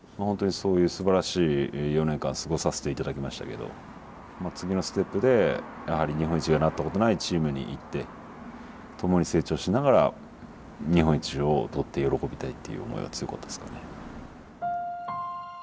本当にそういうすばらしい４年間過ごさせていただきましたけど次のステップでやはり日本一がなったことがないチームに行って共に成長しながら日本一を取って喜びたいっていう思いが強かったですね。